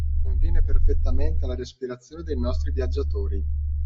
Conviene perfettamente alla respirazione dei nostri viaggiatori